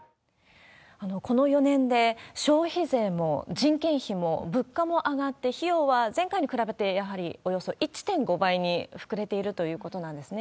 この４年で消費税も人件費も物価も上がって、費用は前回に比べてやはりおよそ１．５倍に膨れているということなんですね。